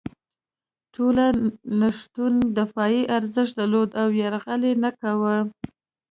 ټولو نښتو دفاعي ارزښت درلود او یرغل یې نه کاوه.